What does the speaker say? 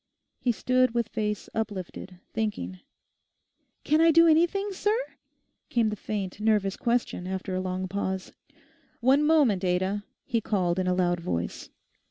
He stood with face uplifted, thinking. 'Can I do anything, sir?' came the faint, nervous question after a long pause. 'One moment, Ada,' he called in a loud voice.